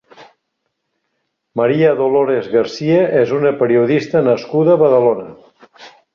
María Dolores García és una periodista nascuda a Badalona.